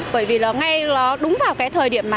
bởi vì nó ngay nó đúng vào cái thời điểm mà